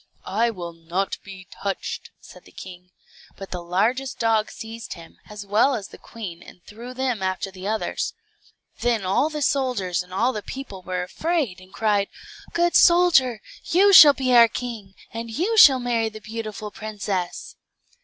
"I will not be touched," said the king. But the largest dog seized him, as well as the queen, and threw them after the others. Then the soldiers and all the people were afraid, and cried, "Good soldier, you shall be our king, and you shall marry the beautiful princess."